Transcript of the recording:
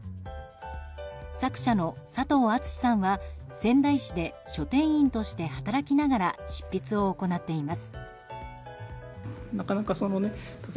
作者の佐藤厚志さんは仙台市で書店員として働きながら執筆を行っています。